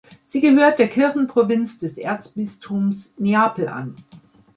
Sie gehört der Kirchenprovinz des Erzbistums Neapel an.